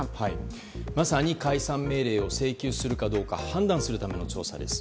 まさに、解散命令を請求するかどうか判断するための調査です。